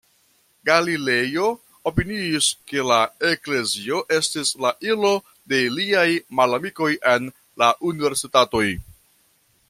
Galilejo opiniis, ke la Eklezio estis la ilo de liaj malamikoj en la universitatoj.